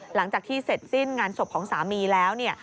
หลังจากที่เสร็จสิ้นงานศพของสามีแล้ว